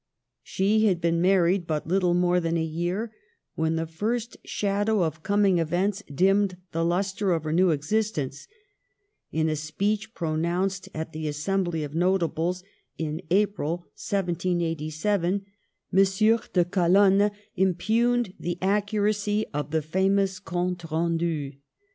She had been married but little more than a year when the first shadow of coming events dimmed the lustre of her new existence. In a speech pronounced at the Assembly of Notables in April 1787, M. de Calonne impugned the accu racy of the famous Compte Rendu. M.